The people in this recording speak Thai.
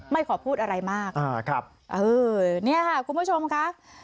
ไม่ขอพูดอะไรมากครับนี่ค่ะคุณผู้ชมค่ะ